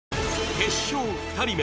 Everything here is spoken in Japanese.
決勝２人目。